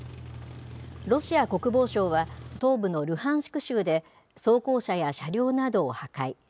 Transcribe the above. ロシア国防省は東部のルハンシク州で、装甲車や車両などを破壊。